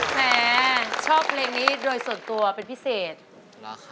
แม่ชอบเพลงนี้โดยส่วนตัวเป็นพิเศษนะคะ